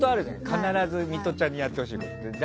必ずミトちゃんにやってほしいやつが。